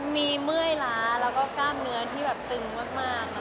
มีเมื่อยล้าและกล้ามเนื้อที่ตึงมาก